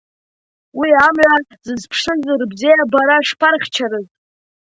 Уи амҩа зызԥшыз рбзиабара шԥархьчарыз?